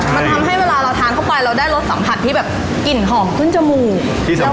มันทำให้เวลาเราทานเข้าไปเราได้รสสัมผัสที่แบบกลิ่นหอมขึ้นจมูก